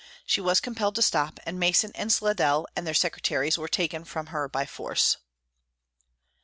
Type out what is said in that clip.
She was compelled to stop, and Mason and Slidell and their secretaries were taken from her by force.